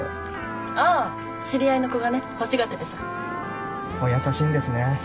あぁ知り合いの子がね欲しがっててさお優しいんですね